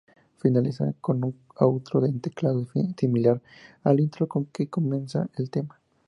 Finaliza con un outro en teclados similar al intro con que comenzó el tema.